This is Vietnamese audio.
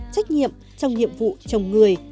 trách nhiệm trong nhiệm vụ chồng người